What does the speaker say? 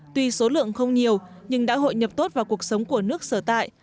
tuy số lượng không nhiều nhưng đã hội nhập tốt vào cuộc sống của nước sở tại